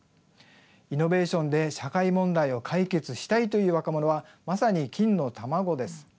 イノベーションで社会問題を解決したいという若者はまさに、金の卵です。